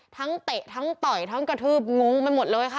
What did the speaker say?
เตะทั้งต่อยทั้งกระทืบงงไปหมดเลยค่ะ